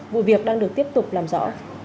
vụ việc đang được tiếp tục làm rõ